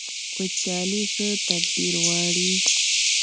وچکالي څه تدبیر غواړي؟